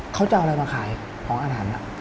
เขาจะเอาอะไรมาขายของอาถรรพ์